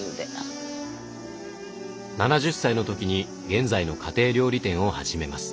７０歳の時に現在の家庭料理店を始めます。